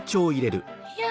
いや。